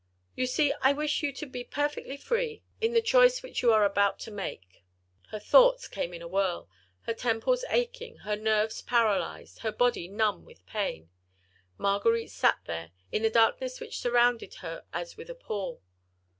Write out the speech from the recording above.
You see I wish you to be perfectly free, in the choice which you are about to make." Her thoughts in a whirl, her temples aching, her nerves paralyzed, her body numb with pain, Marguerite sat there, in the darkness which surrounded her as with a pall.